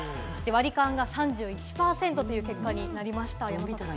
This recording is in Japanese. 割り勘が３１％という結果になりました。